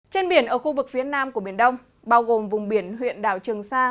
trên biển ở khu vực phía nam của biển đông bao gồm vùng biển huyện đảo trường sa